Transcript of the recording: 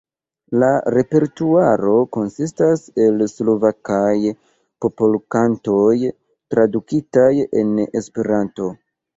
La repertuaro konsistas el Slovakaj popolkantoj tradukitaj en Esperanto.